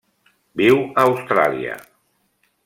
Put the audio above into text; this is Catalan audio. Viu a Austràlia.